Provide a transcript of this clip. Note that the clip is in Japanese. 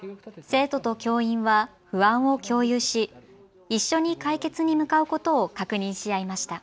生徒と教員は不安を共有し一緒に解決に向かうことを確認し合いました。